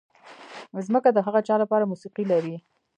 ځمکه د هغه چا لپاره موسیقي لري.